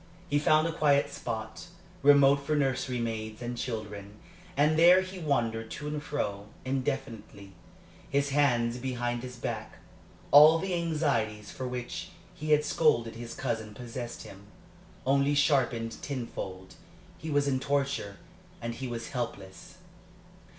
He found a quiet spot, remote from nursery maids and children, and there he wandered to and fro, indefinitely, his hands behind his back. All the anxieties for which he had scolded his cousin possessed him, only sharpened tenfold; he was in torture, and he was helpless.